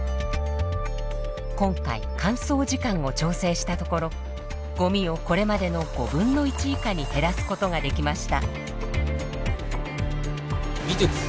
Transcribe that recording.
今回乾燥時間を調整したところゴミをこれまでの５分の１以下に減らすことができました。